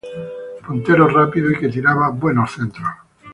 Puntero rápido y que tiraba buenos centros.